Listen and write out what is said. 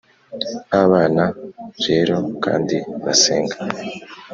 nkabana rero kandi basenga,